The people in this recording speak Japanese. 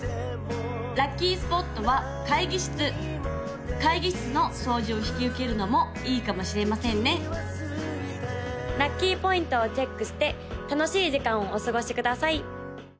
・ラッキースポットは会議室会議室の掃除を引き受けるのもいいかもしれませんね・ラッキーポイントをチェックして楽しい時間をお過ごしください！